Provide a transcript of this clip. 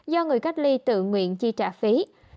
do người cách ly tự nguyện chi trả phí